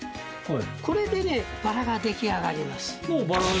これでねバラが出来上がります。